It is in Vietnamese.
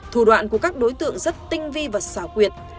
thủ đoạn của các đối tượng rất tinh vi và xảo quyệt